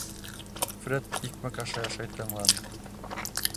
Фред икмәк ашай-ашай тыңланы.